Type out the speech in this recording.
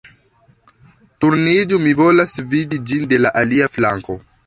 Turniĝu mi volas vidi ĝin de la alia flanko